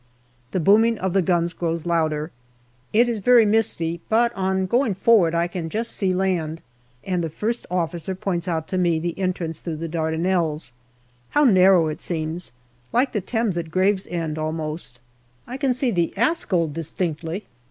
The booming of the guns grows louder. It is very misty, but on going forward I can just see land, and the first officer points out to me the entrance through the Darda nelles. How narrow it seems ; like the Thames at Gravesend almost I can see the Askold distinctly.